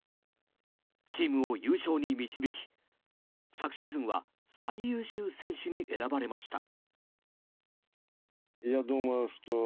チームを優勝に導き昨シーズンは最優秀選手に選ばれました。